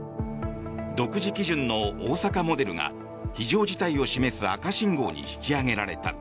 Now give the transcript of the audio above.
独自基準の大阪モデルが非常事態を示す赤信号に引き上げられた。